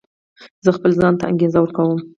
زه خپل ځان ته انګېزه ورکوم.